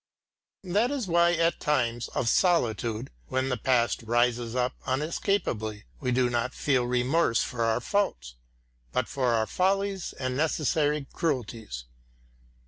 That is why at times of solitude, when the past rises up unescapably, we do not feel remorse for our faults, but for our follies and necessary cruelties.